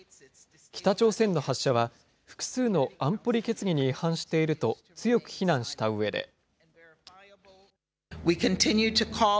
北朝鮮の発射は、複数の安保理決議に違反していると強く非難したうえで。